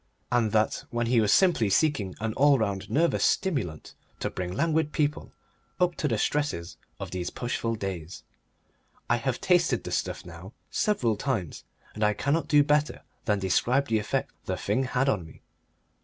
And that when he was simply seeking an all round nervous stimulant to bring languid people up to the stresses of these pushful days. I have tasted the stuff now several times, and I cannot do better than describe the effect the thing had on me.